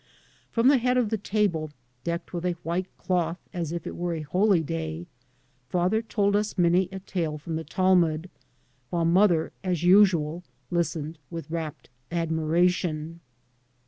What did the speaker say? From the head of the table (decked with a white cloth as if it were a holy day) father told us many a tale from the Talmud while mother as usual listened with rapt admiration.